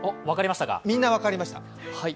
みんな分かりました。